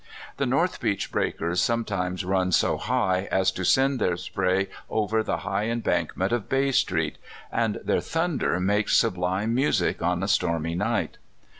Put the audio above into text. The North Beach breakers sometimes run so high as to send their spray over the high embankment of Bay Street, and their thunder makes sublime music on a stormy night.